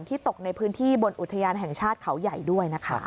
ตกในพื้นที่บนอุทยานแห่งชาติเขาใหญ่ด้วยนะคะ